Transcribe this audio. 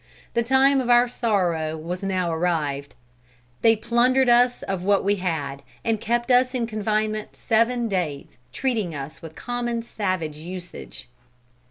The time of our sorrow was now arrived. They plundered us of what we had, and kept us in confinement seven days, treating us with common savage usage."